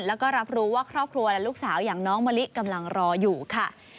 แล้วก็รับรู้ว่าครอบครัวและลูกสาวอย่างน้องมะลิกำลังรออยู่ค่ะ